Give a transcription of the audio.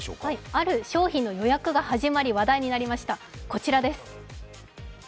ある商品の予約が始まり話題になりました、こちらです。